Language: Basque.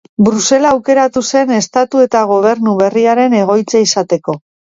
Brusela aukeratu zen estatu eta gobernu berriaren egoitza izateko.